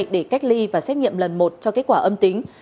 để cách ly và xét nghiệm lần một cho kết quả âm tính